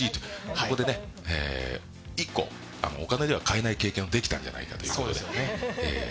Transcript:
ここでね、一個、お金では買えない経験ができたんじゃないかということで非常にいい試合でした。